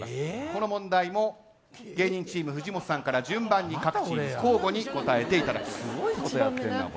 この問題も芸人チーム、藤本さんから各チーム交互で答えていただきます。